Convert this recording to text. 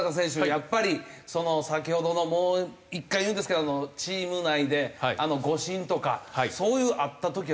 やっぱり先ほどのもう１回言うんですけどチーム内で誤審とかそういうあった時はどういう状況なんですか？